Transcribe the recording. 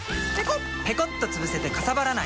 ペコッとつぶせてかさばらない！